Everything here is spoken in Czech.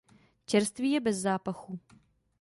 Čerstvý je bez zápachu.